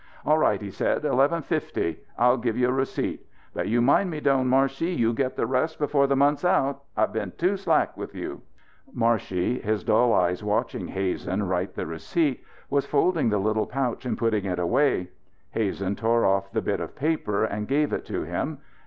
"All right." he said. "Eleven fifty. I'll give you a receipt. But you mind me, Doan Marshey, you get the rest before the month's out. I've been too slack with you." Marshey, his dull eyes watching Hazen write the receipt, was folding the little pouch and putting it away. Hazen tore off the bit of paper and gave it to him.